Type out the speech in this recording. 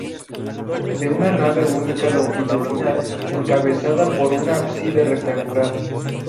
De nave única longitudinal encabezada por un ábside rectangular.